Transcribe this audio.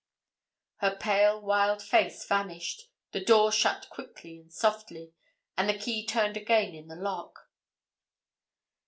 Her pale wild face vanished, the door shut quickly and softly, and the key turned again in the lock.